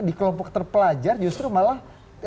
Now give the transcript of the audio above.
di kelompok terpelajar justru malah